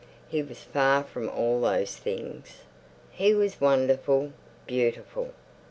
He was far from all those things. He was wonderful, beautiful.